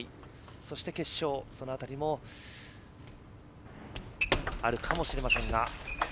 そして決勝その辺りもあるかもしれませんが。